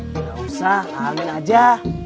nggak usah amin aja